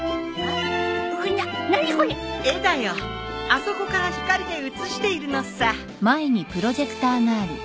あそこから光で映しているのさ。